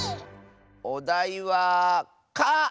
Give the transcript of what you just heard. おだいは「か」！